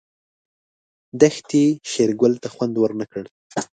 دښتې شېرګل ته خوند ورنه کړ.